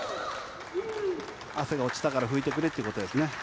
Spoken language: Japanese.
汗が落ちたから拭いてくれってことですね。